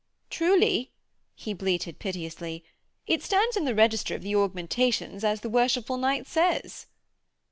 'Truly,' he bleated piteously, 'it stands in the register of the Augmentations as the worshipful knight says.'